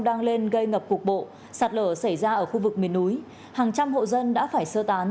đang lên gây ngập cục bộ sạt lở xảy ra ở khu vực miền núi hàng trăm hộ dân đã phải sơ tán